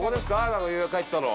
何か予約が入ったの。